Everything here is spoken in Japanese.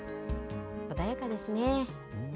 穏やかですね。